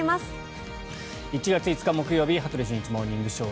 １月５日木曜日「羽鳥慎一モーニングショー」。